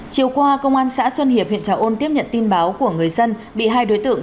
chiều qua công an xã xuân hiệp huyện trà ôn tiếp nhận tin báo của người dân bị hai đối tượng